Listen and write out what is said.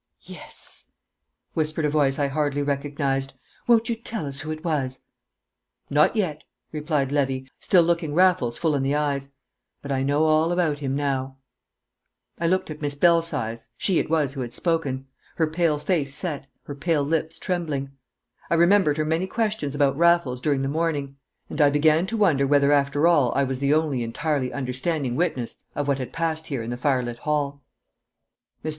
"Yes!" whispered a voice I hardly recognised. "Won't you tell us who it was?" "Not yet," replied Levy, still looking Raffles full in the eyes. "But I know all about him now!" I looked at Miss Belsize; she it was who had spoken, her pale face set, her pale lips trembling. I remembered her many questions about Raffles during the morning. And I began to wonder whether after all I was the only entirely understanding witness of what had passed here in the firelit hall. Mr.